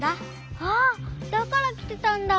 あっだからきてたんだ。